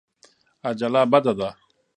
عجله بده ده.